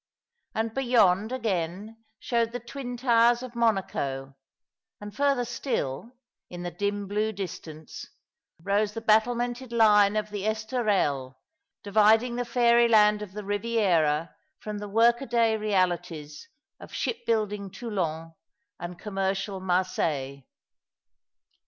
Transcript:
And be yond, again, showed the twin towers of Monaco ; and further still, in the dim blue distance, rose the battlemented line of the Esterelles, dividing the fairyland of the Eiviera from the workaday realities of shipbuilding Toulon and commercial Marseilles.